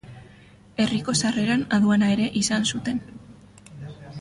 Herriko sarreran aduana ere izan zuten.